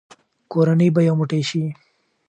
کورنۍ به یو موټی شي.